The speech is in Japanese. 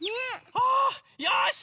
あよしっ！